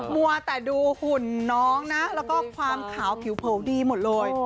มัวแต่ดูหุ่นน้องนะแล้วก็ความขาวผิวเผอดีหมดเลย